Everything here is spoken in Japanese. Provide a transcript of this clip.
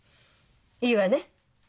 いいわね？